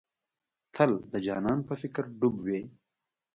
تل د جانان په فکر ډوب وې.